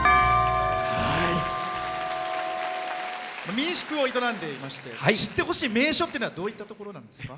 民宿を営んでいまして知ってほしい名所っていうのはどういったところなんですか？